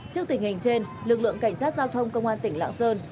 trước tình hình trên lực lượng cảnh sát giao thông công an tỉnh lạng sơn